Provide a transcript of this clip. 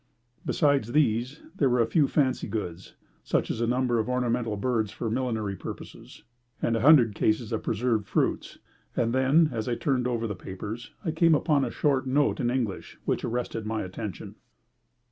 Besides these, there were a few fancy goods, such as a number of ornamental birds for millinery purposes, and a hundred cases of preserved fruits. And then, as I turned over the papers, I came upon a short note in English, which arrested my attention.